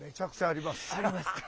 ありますか。